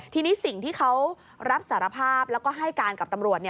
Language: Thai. ทีนี้สิ่งที่เขารับสารภาพแล้วก็ให้การกับตำรวจ